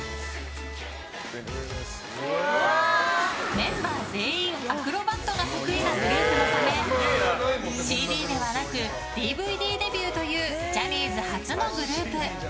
メンバー全員アクロバットが得意なグループのためＣＤではなくＤＶＤデビューというジャニーズ初のグループ。